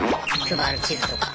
配る地図とか。